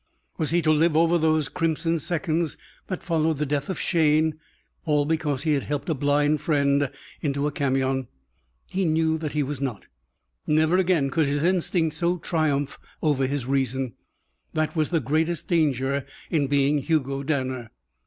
Was he to live over those crimson seconds that followed the death of Shayne, all because he had helped a blind friend into a camion? He knew that he was not. Never again could his instinct so triumph over his reason. That was the greatest danger in being Hugo Danner.